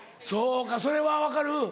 そうかそれは分かる？